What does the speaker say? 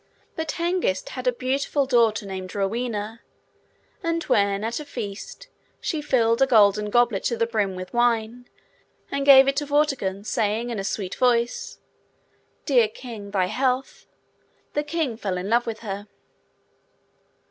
But Hengist had a beautiful daughter named Rowena; and when, at a feast, she filled a golden goblet to the brim with wine, and gave it to Vortigern, saying in a sweet voice, 'Dear King, thy health!' the King fell in love with her.